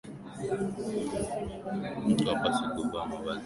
Mtu hapaswi kuvaa mavazi yanayovunja maadili ya taifa